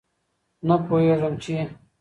نه پوهېږم چې